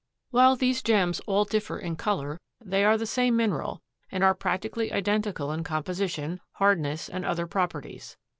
While these gems all differ in color, they are the same mineral and are practically identical in composition, hardness and other properties.